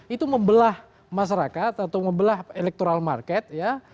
itu membelah masyarakat atau membelah electoral market ya